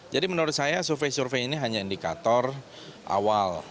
jadi menurut saya survei survei ini hanya indikator awal